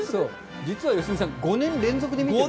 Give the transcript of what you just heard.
実は良純さん５年連続で見てる。